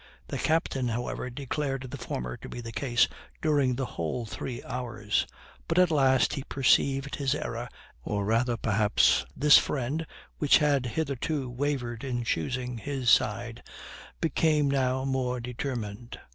The captain, however, declared the former to be the case during the whole three hours; but at last he perceived his error, or rather, perhaps, this friend, which had hitherto wavered in choosing his side, became now more determined.